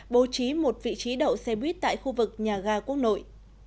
bố trí một vị trí đậu xe buýt tại khu vực nhà ga quốc nội